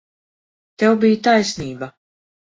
Tev bija taisnība.